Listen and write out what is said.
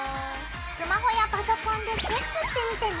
スマホやパソコンでチェックしてみてね！